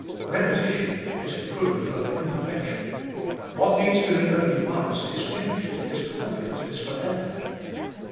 Repetition is the proof of imperfection : what needs doing only once is finished, is perfect, is for ever.